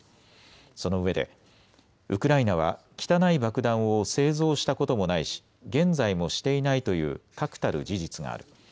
そのうえでウクライナは汚い爆弾を製造したこともないし現在もしていないという確たる事実がある。